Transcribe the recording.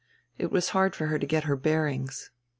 It was hard for her to get her bearings.